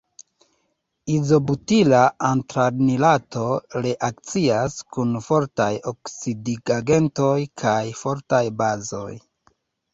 Izobutila antranilato reakcias kun fortaj oksidigagentoj kaj fortaj bazoj.